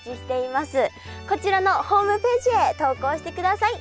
こちらのホームページへ投稿してください。